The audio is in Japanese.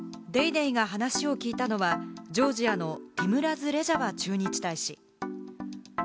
『ＤａｙＤａｙ．』が話を聞いたのはジョージアのティムラズ・レジャバ駐日大使。